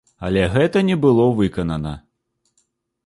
Але гэта не было выканана.